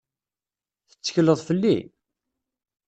Tettekleḍ fell-i?